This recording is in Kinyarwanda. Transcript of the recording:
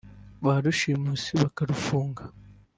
ba rushimusi bakarufunga